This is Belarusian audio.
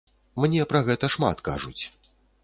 Мне пра гэта шмат кажуць.